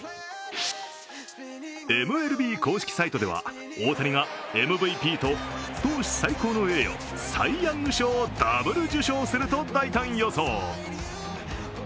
ＭＬＢ公式サイトでは、大谷がＭＶＰと投手最高の栄誉、サイ・ヤング賞をダブル受賞すると大胆予想。